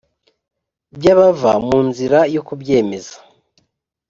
by abava mu nzira yo kubyemeza